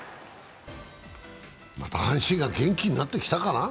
また阪神が元気になってきたかな？